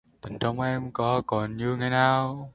Tình trong em có còn như ngày nao